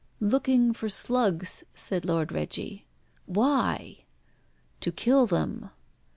"Looking for slugs," said Lord Reggie. "Why?" "To kill them."